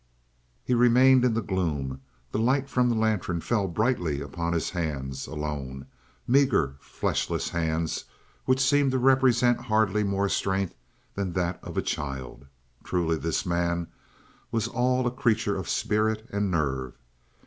He remained in the gloom; the light from the lantern fell brightly upon his hands alone meager, fleshless hands which seemed to represent hardly more strength than that of a child. Truly this man was all a creature of spirit and nerve.